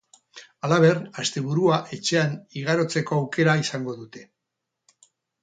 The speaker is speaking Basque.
Halaber, asteburua etxean igarotzeko aukera izango dute.